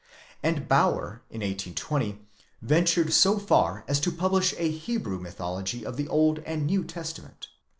And Bauer in 1820 ventured so far as to publish a Hebrew mythology of the Old and New Testament.?